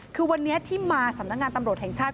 คือวันนี้ที่มาสำนักงานตำรวจแห่งชาติ